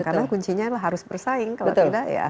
karena kuncinya harus bersaing kalau tidak ya